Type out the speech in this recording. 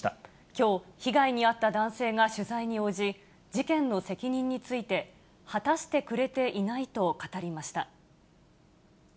きょう、被害に遭った男性が取材に応じ、事件の責任について、果たしてくれていないと語りました。